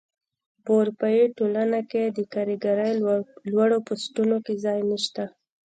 په اروپايي ټولنه کې د کارګرۍ لوړو پوستونو کې ځای نشته.